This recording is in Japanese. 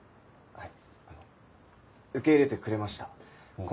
はい。